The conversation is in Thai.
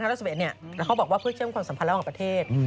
แล้วเขาบอกว่าเพื่อเชื่อมความสัมพันธ์ระหว่างประเทศ